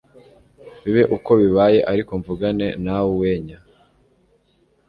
bibe uko bibaye ariko mvugane naweuwenya